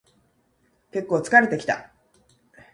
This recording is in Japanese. けっこう疲れてきた